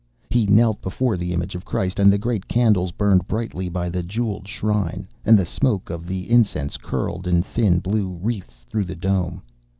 He knelt before the image of Christ, and the great candles burned brightly by the jewelled shrine, and the smoke of the incense curled in thin blue wreaths through the dome.